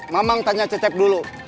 mamang tanya cecep dulu